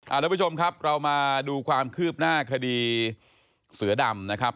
ทุกผู้ชมครับเรามาดูความคืบหน้าคดีเสือดำนะครับ